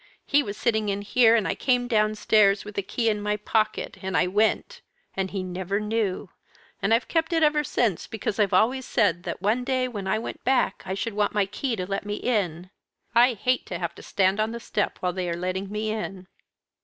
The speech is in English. He was sitting in here, and I came downstairs with the key in my pocket, and I went and he never knew. And I've kept it ever since, because I've always said that one day when I went back I should want my key to let me in: I hate to have to stand on the step while they are letting me in."